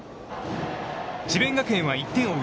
智弁学園は１点を追う